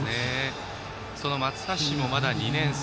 その松橋も、まだ２年生。